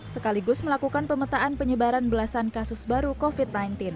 sekaligus melakukan pemetaan penyebaran belasan kasus baru covid sembilan belas